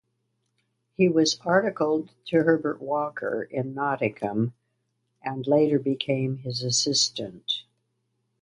He was articled to Herbert Walker in Nottingham and later became his assistant.